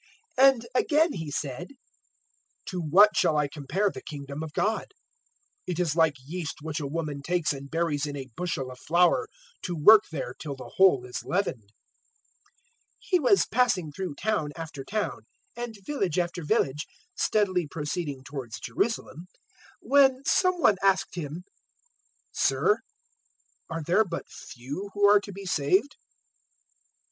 013:020 And again He said, "To what shall I compare the Kingdom of God? 013:021 It is like yeast which a woman takes and buries in a bushel of flour, to work there till the whole is leavened." 013:022 He was passing through town after town and village after village, steadily proceeding towards Jerusalem, 013:023 when some one asked Him, "Sir, are there but few who are to be saved?"